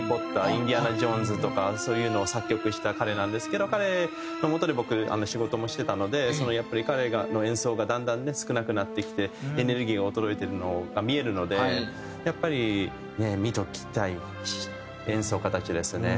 『インディ・ジョーンズ』とかそういうのを作曲した彼なんですけど彼の下で僕仕事もしてたのでやっぱり彼の演奏がだんだんね少なくなってきてエネルギーが衰えてるのが見えるのでやっぱり見ときたい演奏家たちですね。